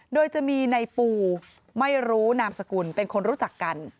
โดยจะมีในปูไม่รู้นามสกุลเป็นคนรู้จักกัน